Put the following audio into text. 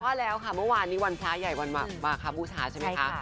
ว่าแล้วค่ะเมื่อวานนี้วันพระใหญ่วันมาครับบูชาใช่ไหมคะ